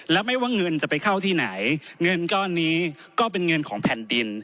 และไม่ว่าเงินจะไปเข้าที่ไหนเงินก้อนนี้ก็เป็นเงินของแผ่นดิน